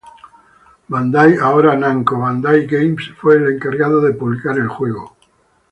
Bandai —ahora Namco Bandai Games— fue el encargado de publicar el juego.